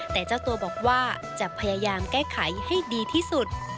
แต่เจ้าตัวบอกว่าจะพยายามแก้ไขให้ดีที่สุด